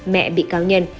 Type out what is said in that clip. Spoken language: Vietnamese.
mẹ bị cáo nhân